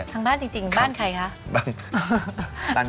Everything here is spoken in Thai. ทางบ้านจริงบ้านใครคะ